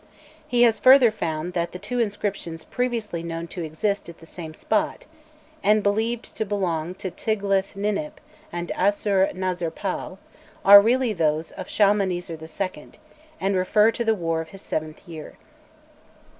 He has further found that the two inscriptions previously known to exist at the same spot, and believed to belong to Tiglath Ninip and Assur nazir pal, are really those of Shalmaneser II., and refer to the war of his seventh year.